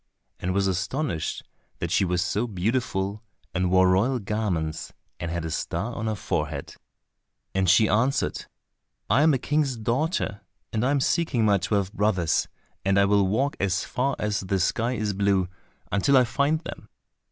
and was astonished that she was so beautiful, and wore royal garments, and had a star on her forehead. And she answered, "I am a king's daughter, and am seeking my twelve brothers, and I will walk as far as the sky is blue until I find them."